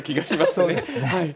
そうですね。